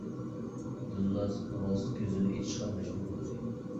دىلناز ئامالسىز كۆزلىرىنى ئېچىشقا مەجبۇر بولدى.